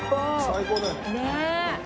最高だよね。